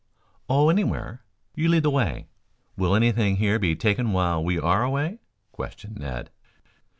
"Oh, anywhere. You lead the way. Will anything here be taken while we are away?" questioned Ned.